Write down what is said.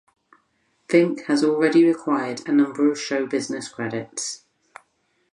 Fink has already acquired a number of show business credits.